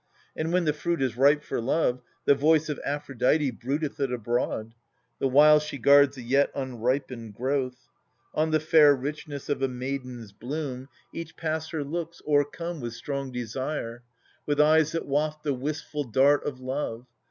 And when the fruit is ripe for love, the voice Of Aphrodite bruiteth it abroad. The while she guards the yet unripened growth. On the fair richness of a maiden's bloom E 50 THE SUPPLIANT MAIDENS. Each passer looks, o'ercome with strong desire, With eyes that waft the wistful dart of love.